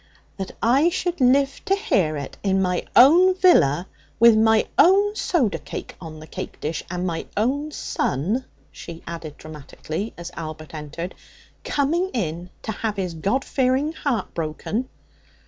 'That I should live to hear it in my own villa, with my own soda cake on the cake dish and my own son,' she added dramatically, as Albert entered, 'coming in to have his God fearing heart broken!'